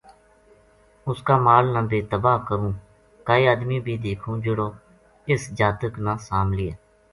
اُس کا مال نا بے تباہ کروں کائے آدمی بے دیکھوں جہیڑو اِس جاتک نا سام لِیے